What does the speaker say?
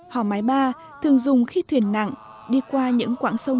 hò mái ba thường dùng khi thuyền nặng đi qua những quãng sông